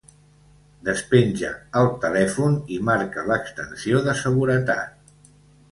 Despenja el telèfon i marca l'extensió de seguretat.